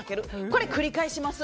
これ、繰り返します。